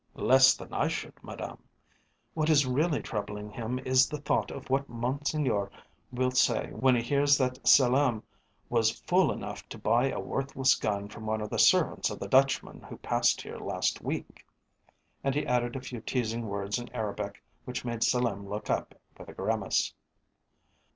"Less than I should, Madame. What is really troubling him is the thought of what Monseigneur will say when he hears that Selim was fool enough to buy a worthless gun from one of the servants of the Dutchman who passed here last week," and he added a few teasing words in Arabic which made Selim look up with a grimace.